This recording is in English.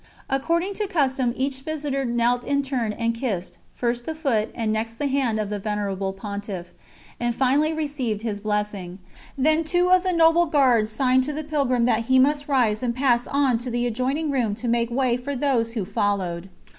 According to custom each visitor knelt in turn and kissed, first the foot and next the hand of the venerable Pontiff, and finally received his blessing; then two of the Noble Guard signed to the pilgrim that he must rise and pass on to the adjoining room to make way for those who followed.